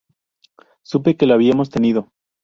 Supe que lo habíamos tenido..."".